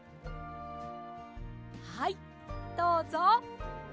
はいどうぞ。